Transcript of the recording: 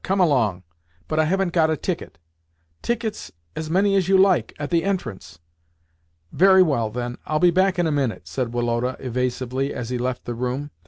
Come along." "But I haven't got a ticket." "Tickets, as many as you like, at the entrance." "Very well, then; I'll be back in a minute," said Woloda evasively as he left the room.